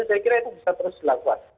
saya kira itu bisa terus dilakukan